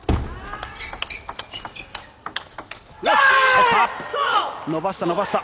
取った。